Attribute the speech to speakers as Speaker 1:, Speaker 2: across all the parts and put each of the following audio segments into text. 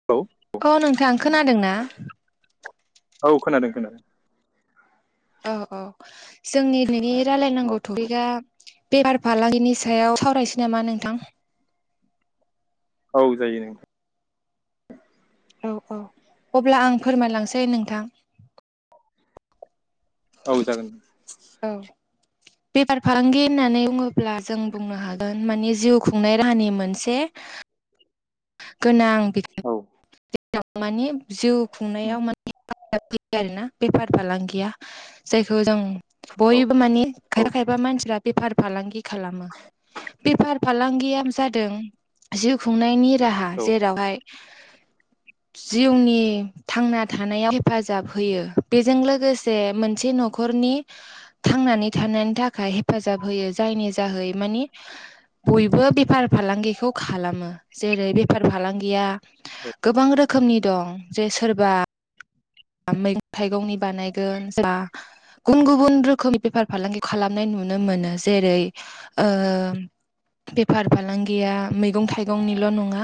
Speaker 1: [unintelligible]
Speaker 2: अ नोंथां खोनादों ना?
Speaker 1: औ खोनादों खोनादों।
Speaker 2: औ औ जोंनि [unintelligible]
Speaker 1: औ
Speaker 2: रायलायनांगौ टपिकआ बेफार फालांगिनि सायाव सावरायनोसै नामा नोंथां।
Speaker 1: औ जायो नों
Speaker 2: औ औ अब्ला आं फोरमायलांसै नोंथां।
Speaker 1: औ जागोन।
Speaker 2: औ बेफार फालांगि होननानै बुङोब्ला जों बुंनो हागोन मानि जिउ खुंनाय राहानि मोनसे गोनां
Speaker 1: औ
Speaker 2: [unintelligible] मानि जिउ
Speaker 1: उम,
Speaker 2: खुंनायाव माने हेफाजाब होयो आरोना बेफार फालांगिया जायखौ जों
Speaker 1: औ
Speaker 2: बयबो मानि
Speaker 1: औ
Speaker 2: खायफा खायफा मानसिफ्रा बेफार फालांगि खालामक्ष बेफार फालांगिया जादों जिउ खुंनायनि रा
Speaker 1: औ
Speaker 2: जेरावहाय
Speaker 1: [inaudible]
Speaker 2: जिउनि थांना थानायाव हेफाजाब होयो बेजों लोगोसे मोनसे न'ख खरनि थांनानै थानायनि थाखाय हेफाजाब होयो जायनि जाहै मानि बयबो बेफार फालांगिखौ खालामो जेरै बे बेफार फालांगिया गोबां रोखोमनि दं जे सोरबा मैगं थाइगंनि बानायगोन जा गुबुन गुबुन रोखोमनि बेफार फालांगि खालामनाय नुनो मोनो जेरै ओ बेफार फालांगिया मैगं थाइगंनिल' नङा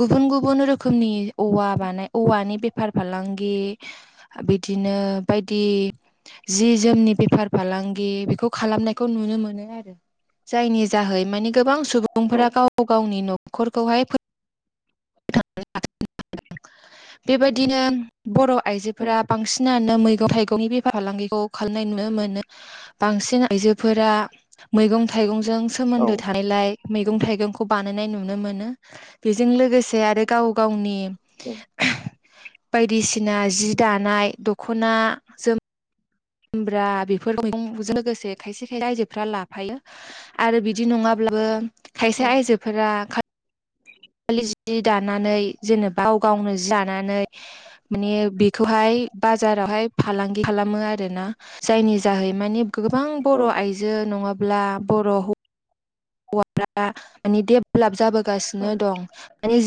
Speaker 2: गुबुन गुबुन रोखोमनि औवा बानाय औवानि बेफार फालांगि बिदिनो बायदि जि जोमनि बेफार फालांगि बेखौ खालामनायखौ नुनो मोनो आरो। जायनि जाहै माने गोबां
Speaker 1: औ
Speaker 2: सुबुंफोरा गाव गावनि न'खरखौहाय [unintelligible] बेबायदिनो बर'
Speaker 1: औ
Speaker 2: आइजोफोरा बांसिनानो मैगं थाइगंनि बेफार फालांगिखौ खालामनाय नुनो मोनो। बांसिन आइजोफोरा मैगं थाइगंजों
Speaker 1: औ
Speaker 2: सोमोन्दो थानायलाय मैगं थाइगंखौ बानायनाय नुनो मोनो बेजों लोगोसे आरो गाव गावनि
Speaker 1: औ
Speaker 2: बायदिसिना जि दानाय दख'ना जोम खुमब्रा बेफोर मैगंजों लोगोसे खायसे खायसे आइजोफ्रा लाफायो। आरो बिदि नङाब्लाबो खायसे आयजोफोरा दालि जि दानानै जेनेबा गावनो दानानै माने बेखौहाय बाजारावहाय फालांगि खालामो आरोना जायनि जाहै माने गोबां बर' आइजो नङाब्ला बर' हौवाफ्रा मानि डेभलप जाबोगासिनो दं। माने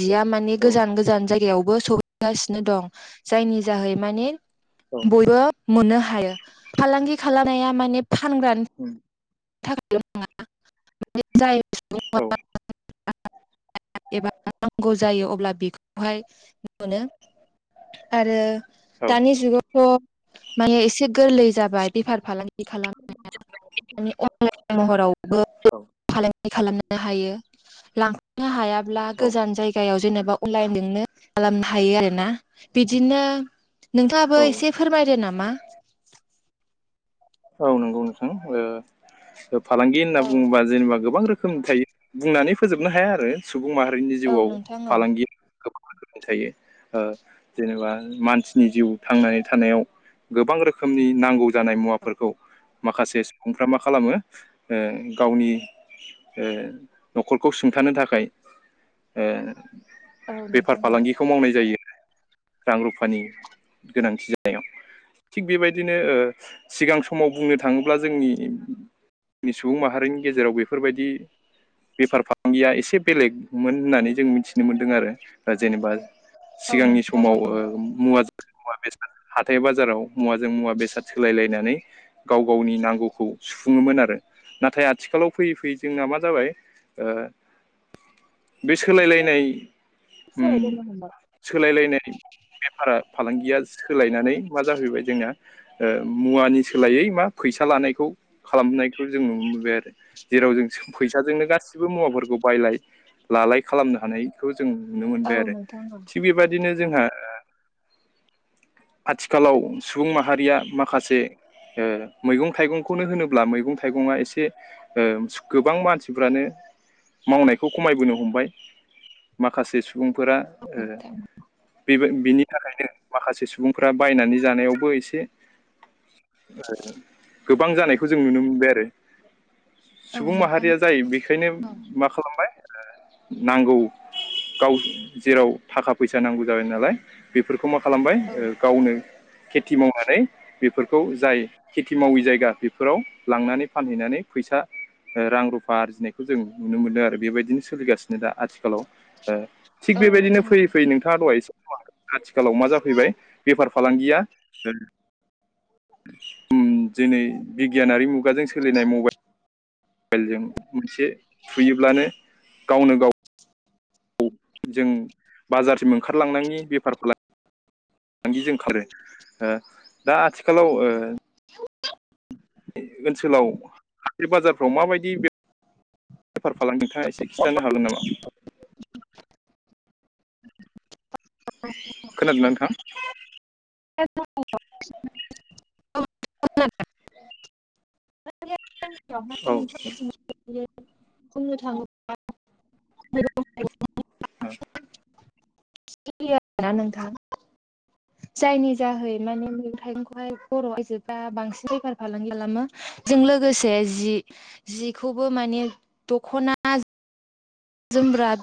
Speaker 2: जिया माने गोजान गोजान जायगायावबो सहैगासिनो दं। जायनि जाहै माने बयबो मोननो हायो फालांगि खालामनाया माने फानग्रा
Speaker 1: औ
Speaker 2: थाखायल' नाङा जाय सुबुं [inaudible] [inaudible] एबा नांगौ जायो अब्ला बेखौहाय मोननो। आरो
Speaker 1: औ
Speaker 2: दानि जुगावथ' माने एसे गोरलै जाबाय बेफार फालांगि खालाम माने अनलाइन महरावबो फालांगि खालामनो हायो लांफांनो हायाब्ला गोजान जायगायाव जेनेबा अनलाइनजोंनो खालामनो हायो आरो ना। बिदिनो नोंथाङाबो
Speaker 1: औ
Speaker 2: एसे फोरमायदो नामा?
Speaker 1: औ नंगौ नोंथां। फालांगि होनना
Speaker 2: औ
Speaker 1: बुङोबा जेनेबा गोबां रोखोमनि थायो। बुंनानै फोजोबनो हाया आरो सुबुं माहारिनि
Speaker 2: औ
Speaker 1: जिउआव
Speaker 2: नोंथां औ
Speaker 1: फालांगिया थायो ओ जेनेबा मानसिनि जिउ थांनानै थानायाव गोबां रोखोमनि नांगौ जानाय मुवाफोरखौ माखासे सुबुंफ्रा मा खालामो उ गावनि ओ न'खरखौ सुंथानो थाखाय ओ
Speaker 2: औ
Speaker 1: बेफार
Speaker 2: नोंथां औ
Speaker 1: फालांगिखौ मावनाय जायो। रां रुफानि गोनांथि जानायाव थिग बेबायदिनो ओ सिगां समाव बुंनो थाङोब्ला जोंनि सुबुं माहारिनि गेजेराव बेफोरबायदि बेफार फालांगिया एसे बेलेगमोन होननानै जों मिथिनो मोन्दों आरो जेनेबा
Speaker 2: औ
Speaker 1: सिगांनि
Speaker 2: नोंथां औ
Speaker 1: समाव ओ मुवाद मुवा बेसाद हाथाय बाजाराव मुवाजों मुवा बेसाद सोलायलायनानै गाव गावनि नांगौखौ सुफुङोमोन आरो नाथाय आथिखालाव फैयै फैयै जोंना मा जाबाय बे
Speaker 2: एसे
Speaker 1: सोलायलायनाय उम
Speaker 2: सोलायबोनो हमबाय
Speaker 1: सोलायलायनाय बेफारा फालांगिया सोलायनानै मा जाफैबाय जोंना मुवानि सोलायै मा फैसा लानायखौ खालामनायखौ जों नुनोबोबाय आरो। जेराव जों फैसाजोंनो गासिबो मुवाफोरखौ बायलाय लालाय खालामनो हानाय खौ जों नुनो
Speaker 2: औ
Speaker 1: मोनबाय आरो
Speaker 2: नोंथां औ
Speaker 1: थिग बेबायदि बिदिनो जोंहा आथिखालाव सुबुं माहारिया माखासे मैगं थाइगंखौनो होनोब्ला मैगं थाइगंङा एसे गोबां मानसिफ्रानो मावनायखौ खमायबोनो हमबाय माखासे सुबुंफोरा बेबो बिनि थाखायनो माखासे सुबुंफ्रा बायनानै जानायावबो एसे गोबां जानायखौ जों नुनो मोनबाय आरो
Speaker 2: औ
Speaker 1: सुबुं
Speaker 2: नोंथां
Speaker 1: माहारिया जायो बेखायनो
Speaker 2: औ
Speaker 1: मा खालामबाय नांगौ गाव जेराव थाखा फैसा नांगौ जाबाय नालाय बेफोरखौ मा खालामबाय
Speaker 2: औ
Speaker 1: गावनो खेथि मावनानै बेफोरखौ खौ जाय खेथि मावि जायगा बेफोराव लांनानै फानहैनानै फैसा रां रुफा आरजिनायखौ जों नुनो मोनदों आरो बेबायदिनो सोलिगासिनो दा आथिखालाव थिग
Speaker 2: औ
Speaker 1: बेबायदिनो
Speaker 2: नोंथां
Speaker 1: फै
Speaker 2: औ
Speaker 1: फै नोंथाङा दहायसो आथिखालाव मा जाफैबाय बेफार फालांगिया दिनै बिगियानारि मुगाजों सोलिनाय मबाइल मबाइलजों मोनसे सुयोब्लानो गावनो गाव जों बाजारसिम ओंखारलांनायनि बेफारखौ ल फालांगि जजों खारो दा आथिखालाव
Speaker 2: [inaudible]
Speaker 1: ओनसोलाव हाजिर बाजारफ्राव माबायदि बे बेफार फालांगि नोंथाङा एसे खिन्थानो हागोन नामा? खोनादोंना नोंथां?
Speaker 2: [unintelligible]
Speaker 1: [inaudible]
Speaker 2: नोंथांमोनसि
Speaker 1: औ
Speaker 2: बुंनो थाङोब्ला [unintelligible]
Speaker 1: [unintelligible]
Speaker 2: [unintelligible]
Speaker 1: [inaudible]
Speaker 2: जायनि जाहै माने मैगं थाइगंखौहाय बर' आयजोफोरा बांसिन बेफार फालांगि खालामो। जों लोगोसे जि जिखौबो माने दखना जुमब्रा